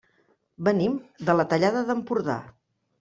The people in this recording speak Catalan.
Venim de la Tallada d'Empordà.